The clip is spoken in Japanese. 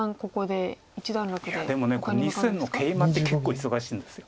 でも２線のケイマって結構忙しいんです。